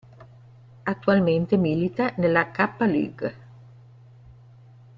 Attualmente milita nella K-League.